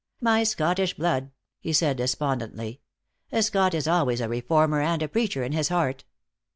"My Scottish blood," he said despondently. "A Scot is always a reformer and a preacher, in his heart.